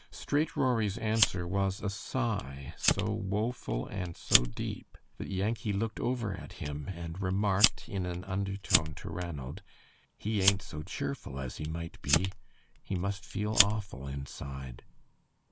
Straight Rory's answer was a sigh so woeful and so deep that Yankee looked over at him and remarked in an undertone to Ranald, "He ain't so cheerful as he might be. He must feel awful inside."